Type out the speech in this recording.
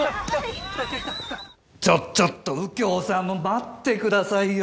ちょっと右京さん待ってくださいよ！